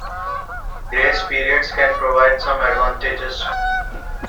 Grace periods can provide some advantages.